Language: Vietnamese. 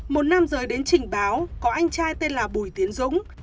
một nam giới đến trình báo có anh trai tên là bùi tiến dũng